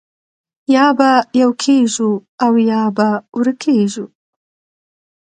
یا به یو کېږو او یا به ورکېږو